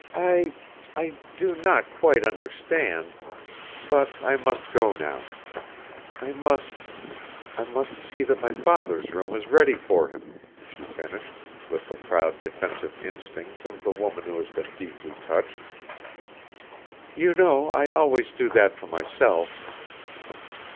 "I I do not quite understand. But I must go now. I must I must see that my father's room is ready for him," she finished, with the proud defensive instinct of the woman who has been deeply touched. "You know I always do that myself."